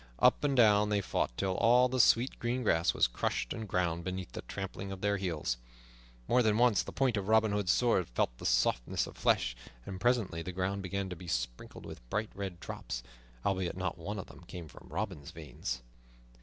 Up and down they fought, till all the sweet green grass was crushed and ground beneath the trampling of their heels. More than once the point of Robin Hood's sword felt the softness of flesh, and presently the ground began to be sprinkled with bright red drops, albeit not one of them came from Robin's veins.